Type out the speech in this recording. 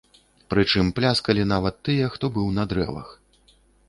Прычым пляскалі нават тыя, хто быў на дрэвах.